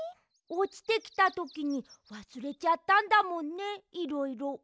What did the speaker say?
おちてきたときにわすれちゃったんだもんねいろいろ。